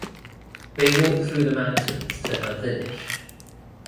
They walk through the mountains to her village.